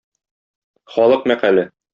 Халык мәкале.